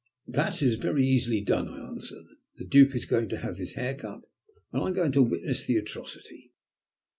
"That is very easily done," I answered; "the Duke is going to have his hair cut, and I am going to witness the atrocity.